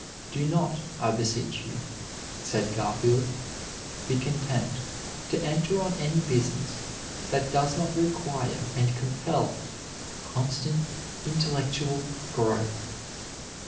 "Do not, I beseech you," said Garfield, "be content to enter on any business that does not require and compel constant intellectual growth."